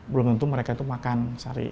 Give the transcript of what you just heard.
belum tentu mereka itu makan sari